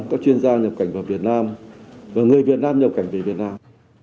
các chuyên gia nhập cảnh vào việt nam và người việt nam nhập cảnh về việt nam